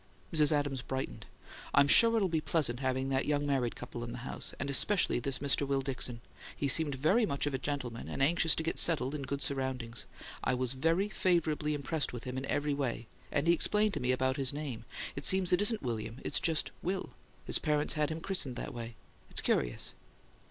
Mrs. Adams brightened. "I'm sure it'll be pleasant having that young married couple in the house and especially this Mr. Will Dickson. He seemed very much of a gentleman, and anxious to get settled in good surroundings. I was very favourably impressed with him in every way; and he explained to me about his name; it seems it isn't William, it's just 'Will'; his parents had him christened that way. It's curious."